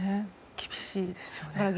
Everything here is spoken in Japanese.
厳しいですよね。